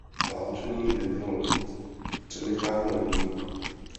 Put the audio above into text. Válčení by mělo být přenecháno jiným.